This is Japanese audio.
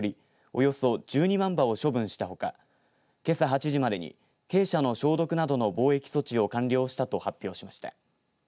およそ１２万羽を処分したほかけさ８時までに鶏舎の消毒などの防疫措置を完了したと発表しました。